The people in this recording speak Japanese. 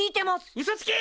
うそつけ！